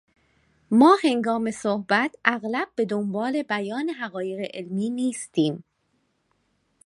ما هنگام صحبت، اغلب به دنبال بیان حقایق علمی نیستیم.